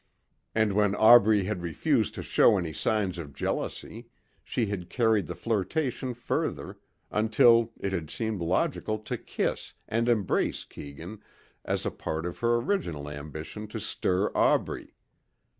And when Aubrey had refused to show any signs of jealousy she had carried the flirtation further until it had seemed logical to kiss and embrace Keegan as a part of her original ambition to stir Aubrey.